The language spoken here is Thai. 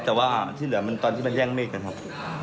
แต่ว่าที่เหลือมันตอนที่มันแย่งเมฆกันครับ